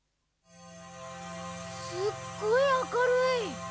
すっごいあかるい。